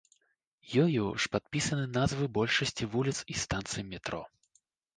Ёю ж падпісаны назвы большасці вуліц і станцый метро.